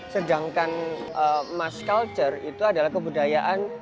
sedangkan mass culture itu adalah kebudayaan